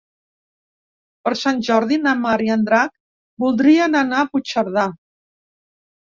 Per Sant Jordi na Mar i en Drac voldrien anar a Puigcerdà.